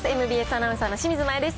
ＭＢＳアナウンサーの清水麻椰です。